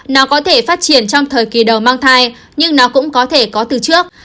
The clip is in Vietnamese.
nó có thể phát triển trong thời kỳ đầu mang thai nhưng nó cũng có thể có từ trước